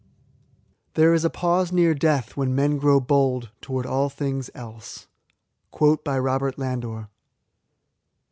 " There is a pause near death when men grow bold Toward aU things else." Robxrt Landor.